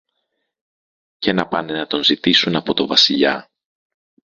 και να πάνε να τον ζητήσουν από το Βασιλιά.